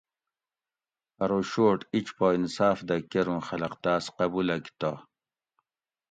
ارو شوٹ اِج پا انصاف دہ کۤر اُوں خلق تاۤس قبولگ تہ